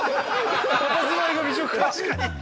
◆たたずまいが美食家。